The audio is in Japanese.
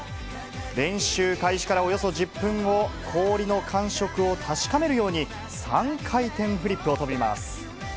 練習開始からおよそ１０分後、氷の感触を確かめるように、３回転フリップを跳びます。